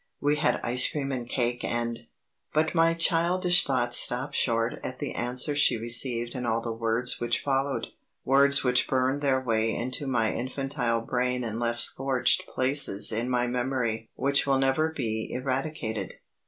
We had had ice cream and cake and But my childish thoughts stopped short at the answer she received and all the words which followed words which burned their way into my infantile brain and left scorched places in my memory which will never be eradicated.